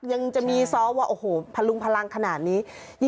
ยังจะมีซ้อมว่าโอ้โหพลุงพลังขนาดนี้